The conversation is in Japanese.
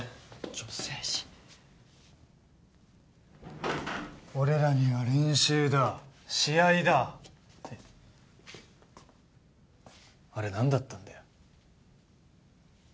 ちょっ誠二俺らには練習だ試合だってあれ何だったんだよ